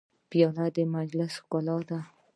پیاله د مجلس ښکلا ده.